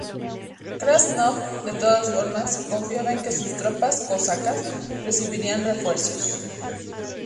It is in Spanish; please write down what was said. Krasnov, de todas formas, confiaba en que sus tropas cosacas recibirían refuerzos.